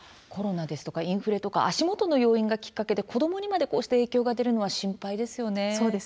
コロナですとかインフレとか、足元の要因がきっかけで子どもにまでこうして影響が出るのは心配ですね。